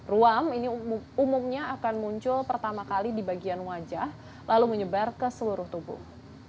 ruam ini umumnya akan muncul pertama kali di bagian wajah lalu menyebar ke seluruh tubuh